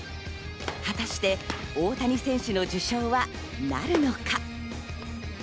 果たして大谷選手の受賞はなるのか？